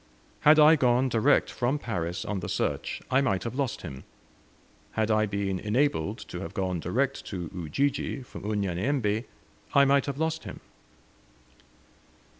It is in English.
Had I gone direct from Paris on the search I might have lost him; had I been enabled to have gone direct to Ujiji from Unyanyembe I might have lost him.